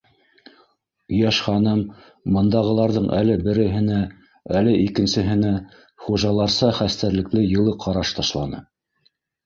Йәш ханым бындағыларҙың әле береһенә, әле икенсеһенә хужаларса хәстәрлекле йылы ҡараш ташланы.